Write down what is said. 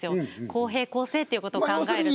公平公正っていうことを考えると。